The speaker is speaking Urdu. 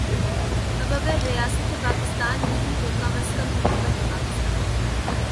اب اگر ریاست پاکستان نہیں تو کم از کم حکومت پاکستان